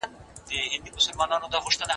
چي یو ځل مي وای لیدلی خپل منبر تر هسکه تللی